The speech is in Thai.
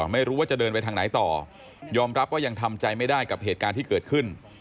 ไม่รู้ว่าจะเดินไปทางไหนต่อยอมรับว่ายังทำใจไม่ได้กับเหตุการณ์ที่เกิดขึ้น